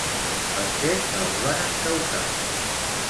Per què els van encausar?